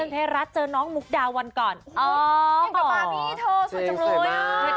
บรรษเทรัสเจอน้องมุกดาวันก่อนอ๋อสวยจังเลย